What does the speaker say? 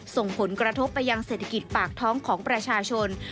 ส่งผลกระทบไปยังเศรษฐกิจปากท้องของประชาชน